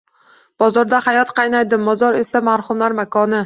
Bozorda hayot qaynaydi... mozor esa marhumlar makoni...